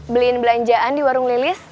beliin belanjaan di warung lilis